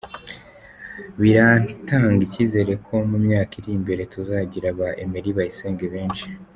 Biratanga icyizere ko mu myaka iri imbere tuzagira ba Emery Bayisenge benshi.